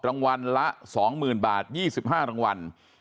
รางวัลละ๒๐๐๐บาท๒๕รางวัล